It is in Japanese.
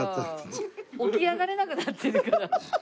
起き上がれなくなってるから。